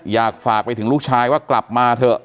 อยากฝากไปถึงลูกชายว่ากลับมาเถอะ